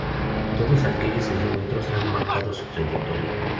Todos aquellos encuentros han marcado su trayectoria.